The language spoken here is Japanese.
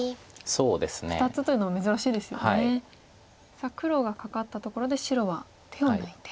さあ黒がカカったところで白は手を抜いて。